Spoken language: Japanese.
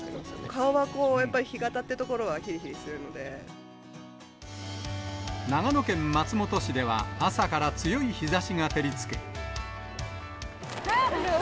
顔はやっぱり、日が当たってる所長野県松本市では、朝から強い日ざしが照りつけ。